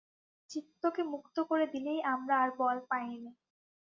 চিত্তকে মুক্ত করে দিলেই আমরা আর বল পাই নে।